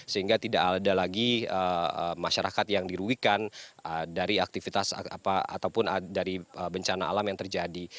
sehingga tidak ada lagi masyarakat yang dirugikan dari aktivitas ataupun dari bencana alam yang terjadi